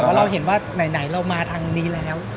ไม่ได้บังคับแต่ว่าเราเห็นว่าไหนเรามาทางนี้แล้ว